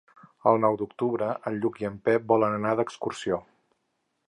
El nou d'octubre en Lluc i en Pep volen anar d'excursió.